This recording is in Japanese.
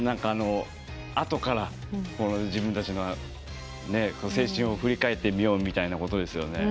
あとから、自分たちの青春を振り返ってみようみたいなことですよね。